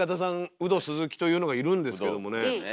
ウド鈴木というのがいるんですけどもね